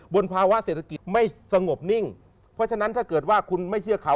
ภาวะเศรษฐกิจไม่สงบนิ่งเพราะฉะนั้นถ้าเกิดว่าคุณไม่เชื่อข่าว